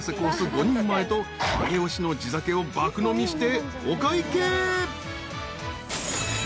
５人前と上尾市の地酒を爆飲みしてお会計］